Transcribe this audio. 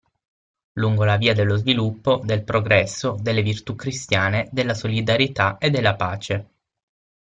Lungo la via dello sviluppo, del progresso, delle virtù cristiane, della solidarietà e della pace!